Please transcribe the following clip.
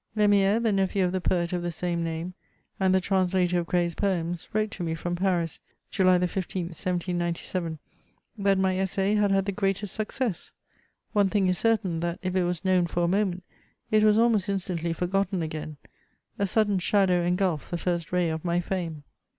Lemiere, the nephew of the poet of the same name, and the translator of Gray's Poems, wrote to me from Paris, July the 15th, 1797, that my £ssai had had the greatest success. One thing is certain, that if it was known for a moment, it was almost instantly forgotten again ; a sudden shadow en gulphed the first ray of my fame.